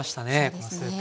このスープ。